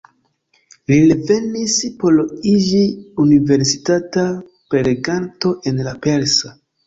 Li revenis por iĝi universitata preleganto en la persa.